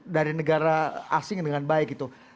dari negara asing dengan baik gitu